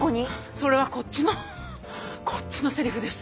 それはこっちのこっちのセリフです。